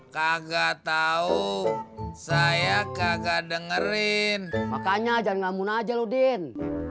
kagak tahu saya kagak dengerin makanya jangan ngamun aja ludin